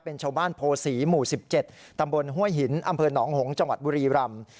เป็นชาวบ้านโพศีหมู่๑๗ตำบลห้วยหินอำเภอหนองหงษ์จังหวัดบุรีรำ